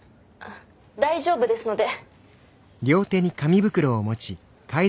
大丈夫ですので。